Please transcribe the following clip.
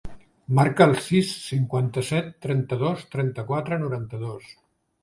Marca el sis, cinquanta-set, trenta-dos, trenta-quatre, noranta-dos.